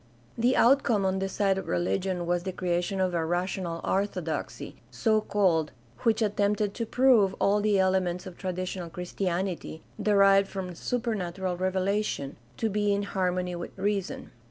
The outcome on the side of religion was the creation of a ''rational orthodoxy," so called, which attempted to prove all the elements of traditional Christianity, derived from supernatural revelation, to be in harmony with reason.